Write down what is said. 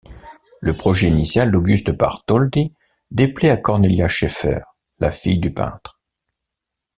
Le projet initial d'Auguste Bartholdi déplaît à Cornélia Scheffer, la fille du peintre.